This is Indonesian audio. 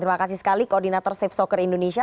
terima kasih sekali koordinator safe soccer indonesia